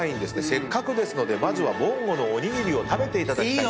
せっかくですのでまずは「ぼんご」のおにぎりを食べていただきたい。